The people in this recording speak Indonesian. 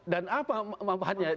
dan apa manfaatnya